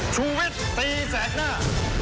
ชูเวทตีแสดหน้า